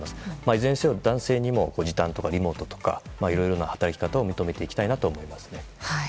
いずれにしても男性にも時短とかリモートとかいろいろな働き方を認めていきたいなと思います。